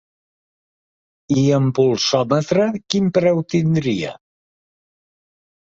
I amb pulsòmetre quin preu tindria?